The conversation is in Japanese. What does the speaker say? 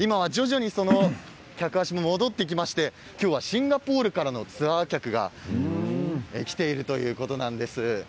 今は徐々に客足も戻ってきまして今日はシンガポールからのツアー客が来ているということです。